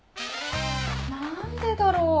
何でだろう？